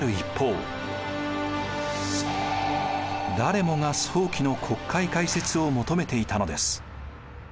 誰もが早期の国会開設を求めていたのです。